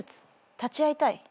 立ち会いたい？